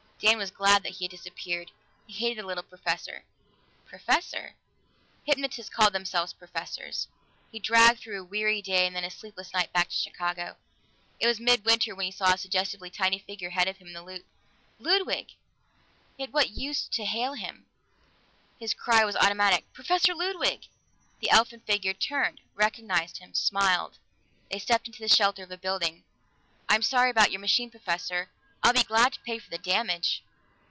Dan was glad that he had disappeared; he hated the little professor. Professor? Hypnotists called themselves "professors." He dragged through a weary day and then a sleepless night back to Chicago. It was mid winter when he saw a suggestively tiny figure ahead of him in the Loop. Ludwig! Yet what use to hail him? His cry was automatic. "Professor Ludwig!" The elfin figure turned, recognized him, smiled. They stepped into the shelter of a building. "I'm sorry about your machine, Professor. I'd be glad to pay for the damage."